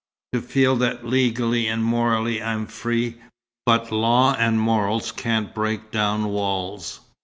To feel that legally and morally I'm free. But law and morals can't break down walls."